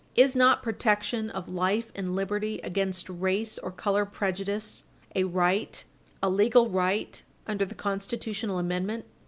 Is not protection of life and liberty against race or color prejudice a right, a legal right, under the constitutional amendment?